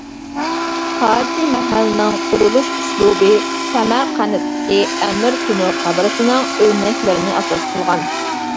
تاجى مەھەلنىڭ قۇرۇلۇش ئۇسلۇبى سەمەرقەنتتىكى ئەمىر تومۇر قەبرىسىنىڭ ئۆرنەكلىرىنى ئاساس قىلغان.